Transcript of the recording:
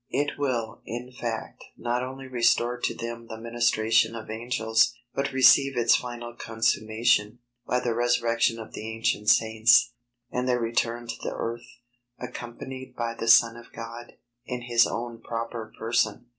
It will, in fact, not only restore to them the ministration of angels, but receive its final consummation, by the resurrection of the ancient Saints, and their return to the earth, accompanied by the Son of God, in his own proper person.